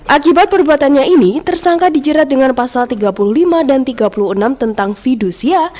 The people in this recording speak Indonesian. akibat perbuatannya ini tersangka dijerat dengan pasal tiga puluh lima dan tiga puluh enam tentang fidusia